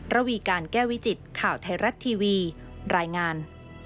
ระวีการแก้วิจิตข่าวไทยรัฐทีวีรายงาน